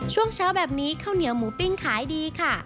ช่วงเช้าแบบนี้ข้าวเหนียวหมูปิ้งขายดีค่ะ